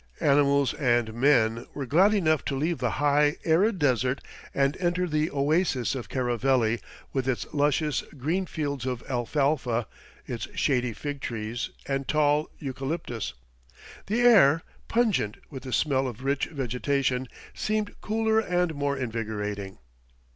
Animals and men were glad enough to leave the high, arid desert and enter the oasis of Caraveli with its luscious, green fields of alfalfa, its shady fig trees and tall eucalyptus. The air, pungent with the smell of rich vegetation, seemed cooler and more invigorating.